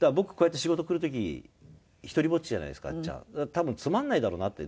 多分つまらないだろうなって。